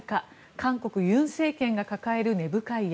韓国、尹政権が抱える根深い闇。